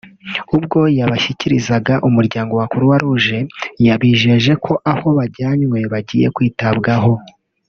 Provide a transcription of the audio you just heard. ubwo yabashyikirizaga umuryango wa Croix Rouge yabijeje ko aho bajyanywe bagiye kwitabwaho